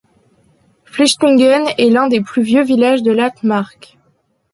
Flechtingen est l'un des plus vieux villages de l'Altmark.